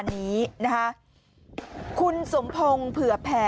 พี่ทำยังไงฮะ